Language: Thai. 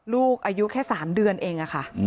ลูกอายุแค่๓เดือนเองค่ะ